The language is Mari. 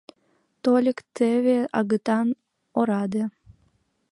— Тольык теве агытан — ораде.